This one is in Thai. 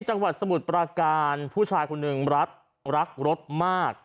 จังหวัดสมุทรปราการผู้ชายคนหนึ่งรักรักรถมาก